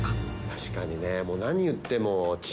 「確かにね」